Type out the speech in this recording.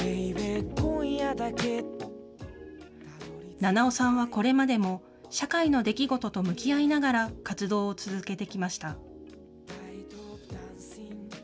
七尾さんはこれまでも、社会の出来事と向き合いながら活動を続けてきました。